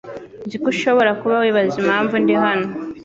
Nzi ko ushobora kuba wibaza impamvu ndi hano.